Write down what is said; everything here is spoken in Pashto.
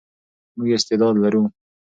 موږ استعداد لرو.